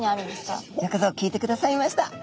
よくぞ聞いてくださいました。